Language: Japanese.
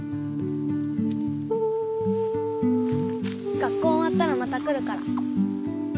学校おわったらまた来るから。